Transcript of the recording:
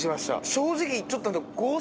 正直ちょっとあの。